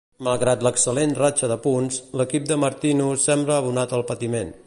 Malgrat l'excel·lent ratxa de punts, l'equip de Martino sembla abonat al patiment.